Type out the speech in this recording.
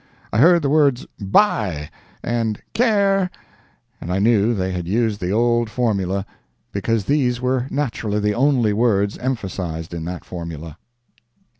I heard the words "BYE" and "CARE," and I knew they had used the old formula, because these were naturally the only words emphasized in that formula.